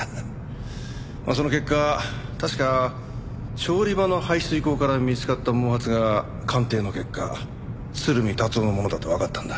その結果確か調理場の排水口から見つかった毛髪が鑑定の結果鶴見達男のものだとわかったんだ。